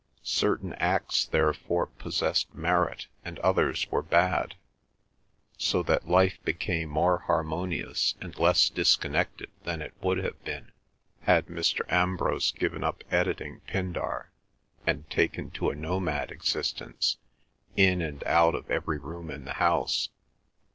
Certain acts therefore possessed merit, and others were bad, so that life became more harmonious and less disconnected than it would have been had Mr. Ambrose given up editing Pindar, and taken to a nomad existence, in and out of every room in the house.